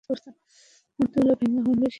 মূর্তিগুলো ভেঙ্গে হুমড়ি খেয়ে পড়ছে।